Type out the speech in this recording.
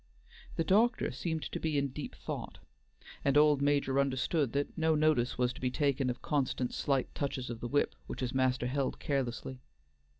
The doctor seemed to be in deep thought, and old Major understood that no notice was to be taken of constant slight touches of the whip which his master held carelessly.